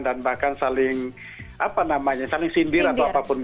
dan bahkan saling sindir atau apapun